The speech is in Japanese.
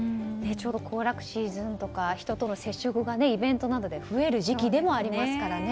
ちょうど行楽シーズンとか人との接触がイベントなどで増える時期でもありますからね。